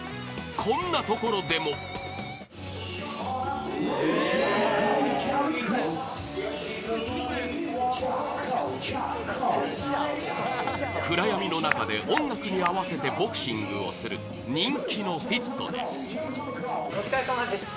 こんなところでも暗闇の中で音楽に合わせてボクシングをする人気のフィットネススタッフ：お疲れさまでした。